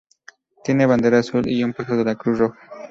Tiene bandera azul y un puesto de la Cruz Roja.